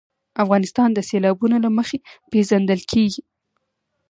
افغانستان د سیلابونه له مخې پېژندل کېږي.